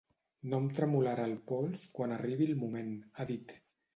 No em tremolarà el pols quan arribi el moment, ha dit.